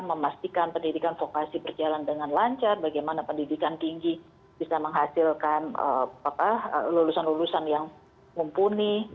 memastikan pendidikan vokasi berjalan dengan lancar bagaimana pendidikan tinggi bisa menghasilkan lulusan lulusan yang mumpuni